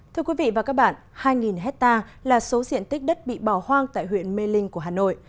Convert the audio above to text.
thưa quý vị và các bạn hai hectare là số diện tích đất bị bỏ hoang tại huyện mê linh của hà nội